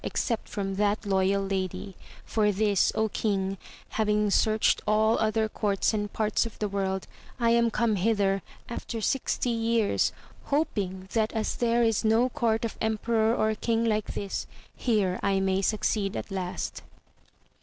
except from that loyal lady ; for this, king, having searched all other courts and parts of the world, I am come hither, after sixty years, hoping, that as there is no court of emperor or king like this, here I may succeed at last.